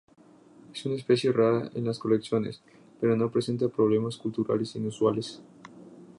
Es una especie rara en las colecciones, pero no presenta problemas culturales inusuales.